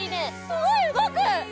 すごい動く！